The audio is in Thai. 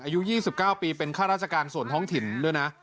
อายุ๒๙ปีเป็นค่าราชการส่วนท้องถิ่น